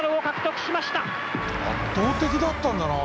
圧倒的だったんだな。